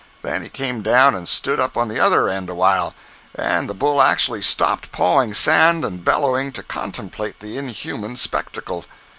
Then he came down and stood up on the other end awhile, and the bull actually stopped pawing sand and bellowing to contemplate the inhuman spectacle.